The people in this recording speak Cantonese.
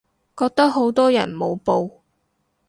覺得好多人冇報